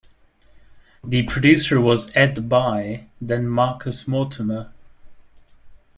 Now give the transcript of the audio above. The producer was Ed Bye, then Marcus Mortimer.